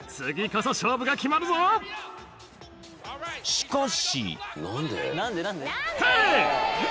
［しかし］